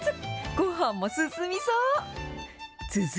ごはんも進みそう。